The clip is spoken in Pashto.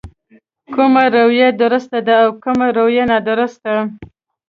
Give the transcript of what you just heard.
کومه رويه درسته ده او کومه رويه نادرسته.